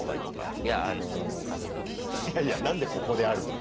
いやいや何でここであるのよ。